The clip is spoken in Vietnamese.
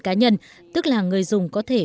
cá nhân tức là người dùng có thể